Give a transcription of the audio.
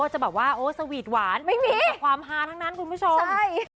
ใช่ครับถ้าเจอเมื่อไหร่ก็อาจจะมี